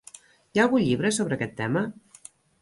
I algun llibre sobre aquest tema?